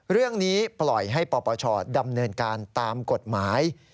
เรื่องนี้ปล่อยให้ปปชดำเนินการตามกฎหมาย